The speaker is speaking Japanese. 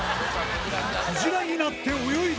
くじらになって泳いだ